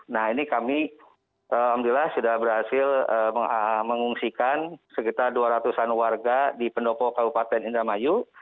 nah ini kami alhamdulillah sudah berhasil mengungsikan sekitar dua ratus an warga di pendopo kabupaten indramayu